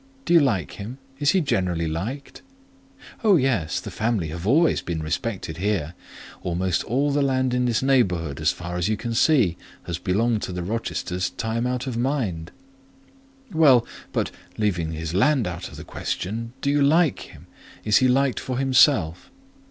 "Do you like him? Is he generally liked?" "Oh, yes; the family have always been respected here. Almost all the land in this neighbourhood, as far as you can see, has belonged to the Rochesters time out of mind." "Well, but, leaving his land out of the question, do you like him? Is he liked for himself?"